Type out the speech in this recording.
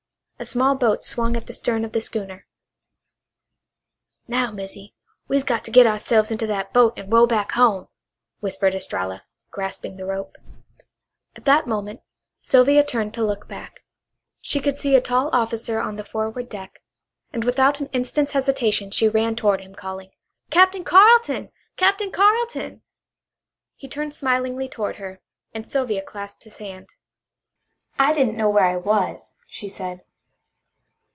A small boat swung at the stern of the schooner. "Now, Missy, we's got to git ourselves into that boat and row back home," whispered Estralla, grasping the rope. At that moment Sylvia turned to look back. She could see a tall officer on the forward deck, and without an instant's hesitation she ran toward him calling: "Captain Carleton! Captain Carleton!" He turned smilingly toward her, and Sylvia clasped his hand. "I didn't know where I was," she said.